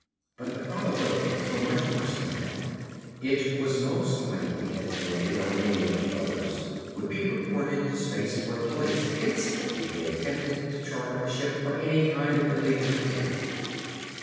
But the probabilities were much worse than that. It was most likely that Burleigh or any of the others would be reported to space port police instantly they attempted to charter a ship for any kind of illegal activity.